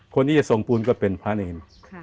คนที่จะส่งปูนก็เป็นพระเนร